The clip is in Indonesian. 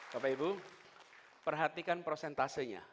bapak ibu perhatikan prosentasenya